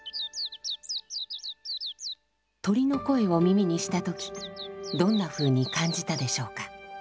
鳥の声を耳にした時どんなふうに感じたでしょうか？